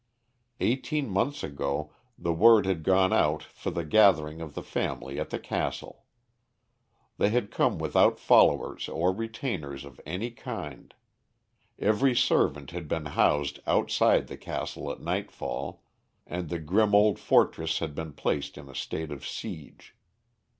Eighteen months ago the word had gone out for the gathering of the family at the castle. They had come without followers or retainers of any kind; every servant had been housed outside the castle at nightfall, and the grim old fortress had been placed in a state of siege.